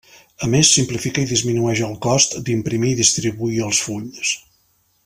A més, simplifica i disminueix el cost d'imprimir i distribuir els fulls.